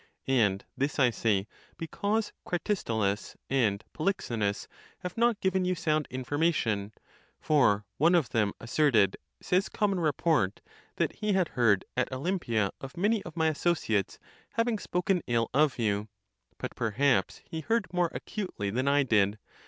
And this I say, because Cratistolus and Polyxenus have not given you sound information; for one of them as serted, says common report, that he had heard at Olympia of many of my associates having spoken ill of you. But perhaps he heard more acutely than I did.